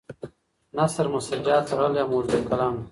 نثر مسجع تړلی او موزون کلام دی.